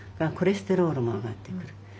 コレステロールも上がってくる。